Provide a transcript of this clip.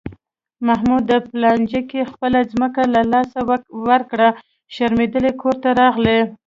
محمود په لانجه کې خپله ځمکه له لاسه ورکړه، شرمېدلی کورته راغی.